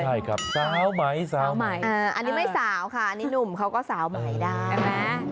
ใช่ครับสาวไหมสาวใหม่อันนี้ไม่สาวค่ะอันนี้หนุ่มเขาก็สาวใหม่ได้ใช่ไหม